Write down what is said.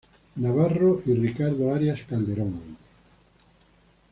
Navarro y Ricardo Arias Calderón.